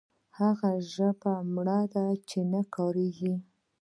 هغه ژبه مري چې نه کارول کیږي.